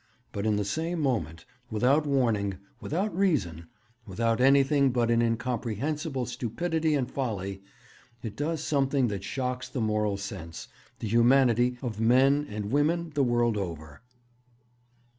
But in the same moment, without warning, without reason, without anything but an incomprehensible stupidity and folly, it does something that shocks the moral sense, the humanity, of men and women the world over.'